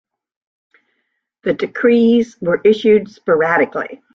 The decrees were issued sporadically.